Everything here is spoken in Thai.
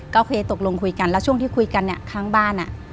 ก็เคยตกลงคุยกันแล้วช่วงที่คุยกันเนี่ยข้างบ้านอ่ะ